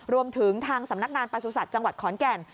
รวมถึงทางสำนักงานประสุทธิ์จังหวัดขอนแก่น